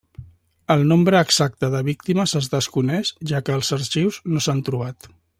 El nombre exacte de víctimes es desconeix, ja que els arxius no s'han trobat.